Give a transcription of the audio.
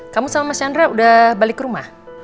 kamu sama mas chandra udah balik ke rumah